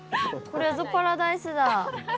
これぞパラダイスだ。